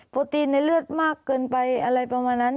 ตีนในเลือดมากเกินไปอะไรประมาณนั้น